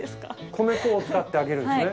米粉を使って揚げるんですね。